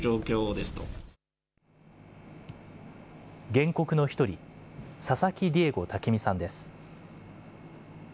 原告の１人、佐々木ディエゴ剛実さんです。